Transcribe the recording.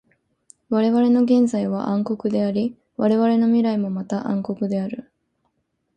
われわれの現在は暗黒であり、われわれの未来もまた暗黒である。